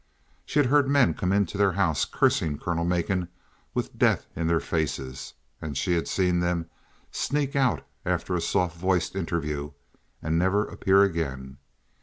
She had heard men come into their house cursing Colonel Macon with death in their faces; she had seen them sneak out after a soft voiced interview and never appear again.